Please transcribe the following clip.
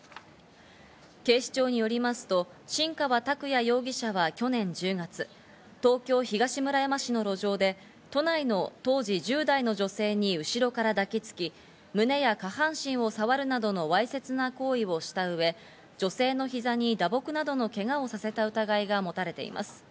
警視庁によりますと、新川拓哉容疑者は去年１０月、東京・東村山市の路上で都内の当時１０代の女性に後ろから抱きつき、胸や下半身を触るなどのわいせつな行為をした上、女性の膝に打撲などのけがをさせた疑いが持たれています。